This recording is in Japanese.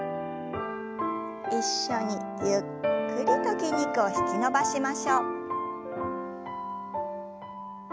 一緒にゆっくりと筋肉を引き伸ばしましょう。